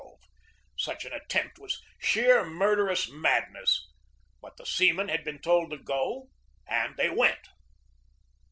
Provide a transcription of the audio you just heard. Such an attempt was sheer, murderous madness. But the seamen had been told to go and they went.